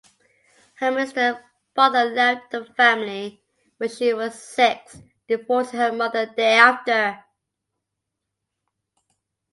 Her minister father left the family when she was six, divorcing her mother thereafter.